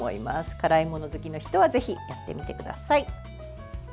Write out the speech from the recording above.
辛い物好きな人はぜひやってみてください。